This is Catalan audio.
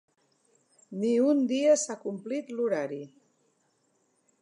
Ni un dia s’ha complit l’horari.